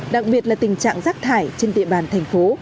đặc biệt là tình trạng rác thải trên địa bàn thành phố